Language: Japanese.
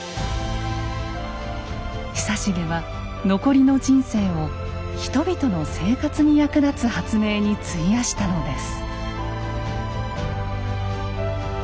久重は残りの人生を人々の生活に役立つ発明に費やしたのです。